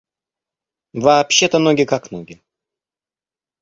Вообще-то ноги, как ноги.